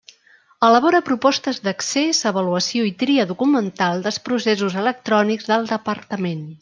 Elabora propostes d'accés, avaluació i tria documental dels processos electrònics del Departament.